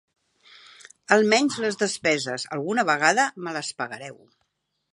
Almenys les despeses, alguna vegada, me les pagareu.